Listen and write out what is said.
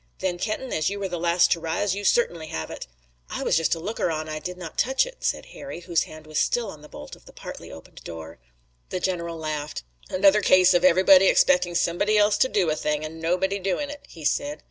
"Then Kenton, as you were the last to rise, you certainly have it." "I was just a looker on; I did not touch it," said Harry, whose hand was still on the bolt of the partly opened door. The general laughed. "Another case of everybody expecting somebody else to do a thing, and nobody doing it," he said.